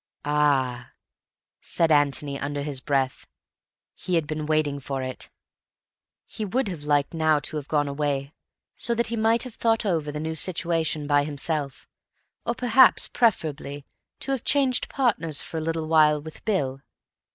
"Ah!" said Antony, under his breath. He had been waiting for it. He would have liked now to have gone away, so that he might have thought over the new situation by himself; or, perhaps preferably, to have changed partners for a little while with Bill.